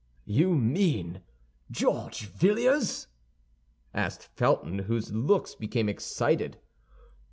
"You mean George Villiers?" asked Felton, whose looks became excited.